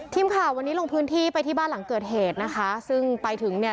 ทีมข่าววันนี้ลงพื้นที่ไปที่บ้านหลังเกิดเหตุนะคะซึ่งไปถึงเนี่ย